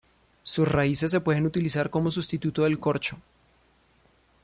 Sus raíces se pueden utilizar como sustituto del corcho.